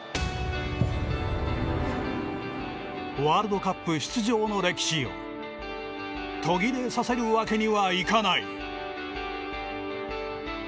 ワールドカップ出場の歴史を途切れさせるわけにはいかない。